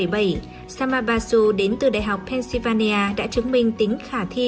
năm một nghìn chín trăm bảy mươi bảy shama basu đến từ đại học pennsylvania đã chứng minh tính khả thi